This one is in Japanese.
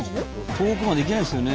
遠くまで行けないですよね。